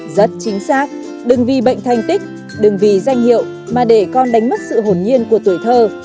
rất chính xác đừng vì bệnh thanh tích đừng vì danh hiệu mà để con đánh mất sự hồn nhiên của tuổi thơ